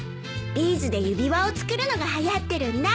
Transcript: ビーズで指輪を作るのがはやってるんだ。